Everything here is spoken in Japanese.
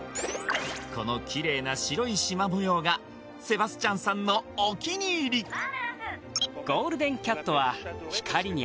このキレイな白いしま模様がセバスチャンさんのお気に入りあ